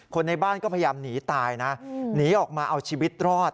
ในบ้านก็พยายามหนีตายนะหนีออกมาเอาชีวิตรอด